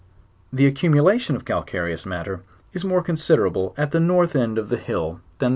The accumulation of calcareous matter is more considerable at the north end of the hill than LEWIS AND CLARKE.